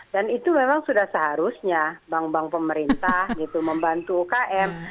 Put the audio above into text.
dan itu memang sudah seharusnya bank bank pemerintah gitu membantu ukm